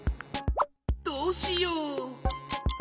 どうしよう？